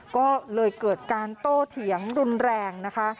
ก็เลยเกิดการโตเถียงรุนแรงนะคะ